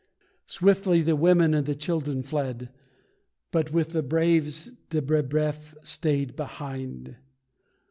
Swiftly the women and the children fled, But with the braves de Breboeuf stayed behind.